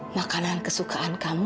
makanan kesukaan kamu